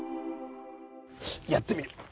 やってみる。